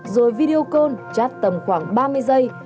rồi video call chát tầm khoảng ba mươi giây